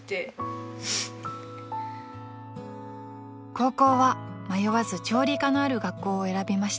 ［高校は迷わず調理科のある学校を選びました］